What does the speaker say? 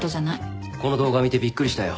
この動画見てびっくりしたよ。